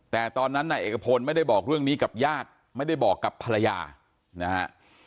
แต่ตอนนั้นนายเอกพลไม่ได้บอกเรื่องนี้กับญาติไม่ได้บอกกับภรรยานะฮะ